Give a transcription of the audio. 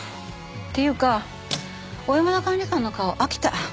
っていうか小山田管理官の顔飽きた。